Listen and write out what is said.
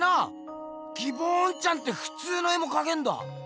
ギボーンちゃんってふつうの絵もかけるんだ！